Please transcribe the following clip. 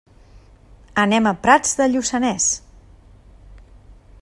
Anem a Prats de Lluçanès.